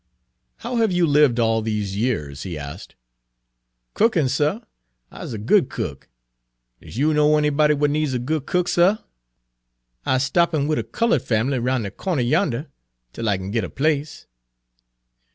"How have you lived all these years?" he asked. "Cookin', suh. I's a good cook. Does you know anybody w'at needs a good cook, suh? I 's stoppin' wid a culled fam'ly roun' de corner yonder 'tel I kin git a place."